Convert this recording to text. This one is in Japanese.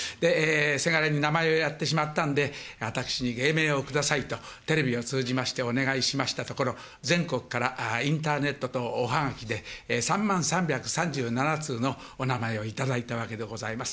せがれに名前をやってしまったんで、私に芸名をくださいと、テレビを通じましてお願いしましたところ、全国からインターネットとおはがきで、３万３３７通のお名前を頂いたわけでございます。